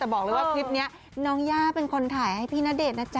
แต่บอกเลยว่าคลิปนี้น้องย่าเป็นคนถ่ายให้พี่ณเดชน์นะจ๊